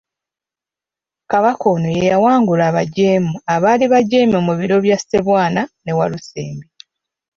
Kabaka ono ye yawangula abajeemu abaali bajeemye mu biro bya Ssebwana ne Walusimbi.